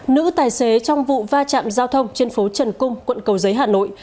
nữ tài xế trong vụ va chạm giao thông trên phố trần cung quận cầu giấy hà nội